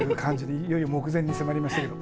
いよいよ目前に迫りましたけど。